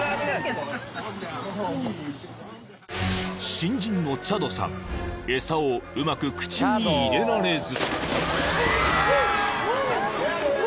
［新人のチャドさん餌をうまく口に入れられず］